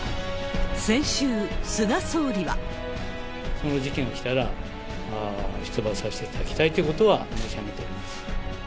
その時期が来たら出馬をさせていただきたいということは申し上げております。